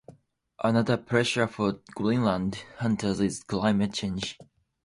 Another pressure for Greenland's hunters is climate change.